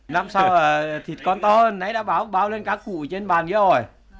năm sau là thịt con to hơn nãy đã báo lên các cụ trên bàn kia rồi